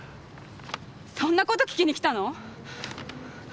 そんなこと聞きに来たの！？